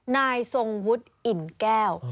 นายทรงวุฒิอิ่มแก้ว